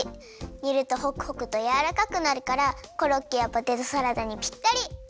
にるとホクホクとやわらかくなるからコロッケやポテトサラダにぴったり！